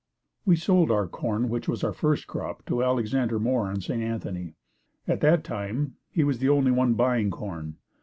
We sold our corn which was our first crop, to Alexander Moore in St. Anthony. At that time, he was the only one buying corn.